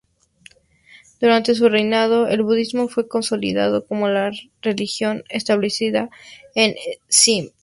Durante su reinado, el budismo fue consolidado como la religión establecida en Sikkim.